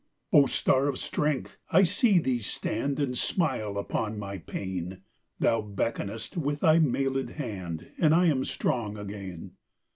O star of strength! I see thee standAnd smile upon my pain; Thou beckonest with thy mailed hand, And I am strong again.